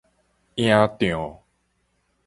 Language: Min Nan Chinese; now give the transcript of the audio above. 營帳